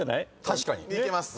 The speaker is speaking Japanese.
確かに。